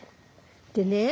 でね